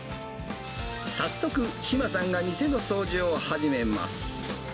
早速、志麻さんが店の掃除を始めます。